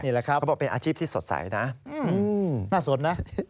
นี่แหละครับเป็นอาชีพที่สดใสนะน่าสนนะ